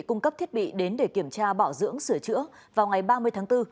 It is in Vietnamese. cung cấp thiết bị đến để kiểm tra bảo dưỡng sửa chữa vào ngày ba mươi tháng bốn